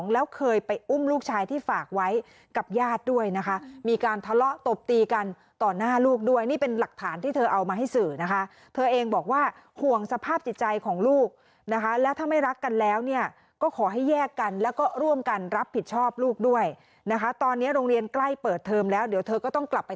แล้วเคยไปอุ้มลูกชายที่ฝากไว้กับญาติด้วยนะคะมีการทะเลาะตบตีกันต่อหน้าลูกด้วยนี่เป็นหลักฐานที่เธอเอามาให้สื่อนะคะเธอเองบอกว่าห่วงสภาพจิตใจของลูกนะคะแล้วถ้าไม่รักกันแล้วเนี่ยก็ขอให้แยกกันแล้วก็ร่วมกันรับผิดชอบลูกด้วยนะคะตอนนี้โรงเรียนใกล้เปิดเทอมแล้วเดี๋ยวเธอก็ต้องกลับไป